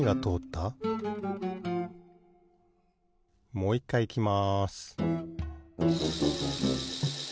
もういっかいいきます